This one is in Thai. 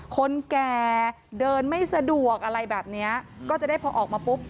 คนแก่เดินไม่สะดวกอะไรแบบเนี้ยก็จะได้พอออกมาปุ๊บ